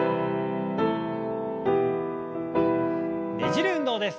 ねじる運動です。